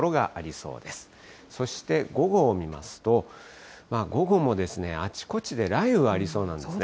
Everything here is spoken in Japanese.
そして午後を見ますと、午後もあちこちで雷雨がありそうなんですね。